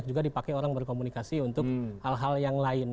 tapi kalau kita pakai orang berkomunikasi untuk hal hal yang lain